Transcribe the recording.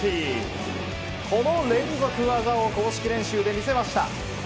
この連続技を公式練習で見せました。